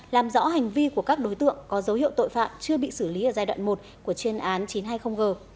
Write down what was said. làm rõ hành vi của các đối tượng có dấu hiệu tội phạm chưa bị xử lý ở giai đoạn một của chuyên án chín trăm hai mươi g